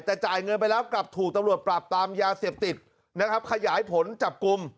แต่จ่ายเงินไปแล้วกลับถูกตำรวจปราบปรามยาเสพติดนะครับขยายผลจับกลุ่ม